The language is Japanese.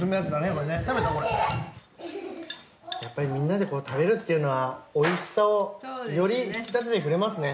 やっぱりみんなで食べるっていうのはおいしさをより引き立ててくれますね。